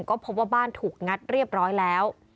ก็พบว่าบ้านถูกงัดเรียบร้อยแล้ว